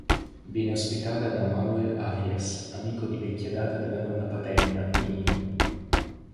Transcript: Viene ospitata da Manuel Arias, amico di vecchia data della nonna paterna, Nini.